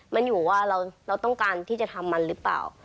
มันอยู่ว่าเราต้องการที่จะทำมันหรือเปล่า